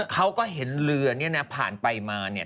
เขาก็เห็นเรือเนี่ยนะผ่านไปมาเนี่ย